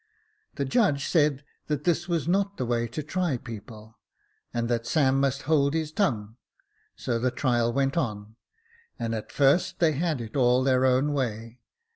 " The judge said that this was not the way to try people, and that Sam must hold his tongue ; so the trial went on, and at first they had it all their own way.